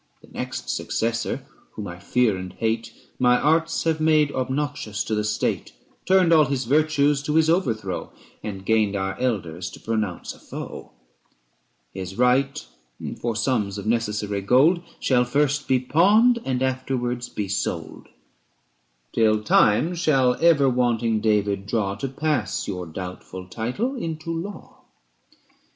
400 The next successor, whom I fear and hate, My arts have made obnoxious to the State, Turned all his virtues to his overthrow, And gained our elders to pronounce a foe. ABSALOM AND ACHITOPHEL. 99 His right for sums of necessary gold 405 Shall first be pawned, and afterwards be sold; Till time shall ever wanting David draw To pass your doubtful title into law.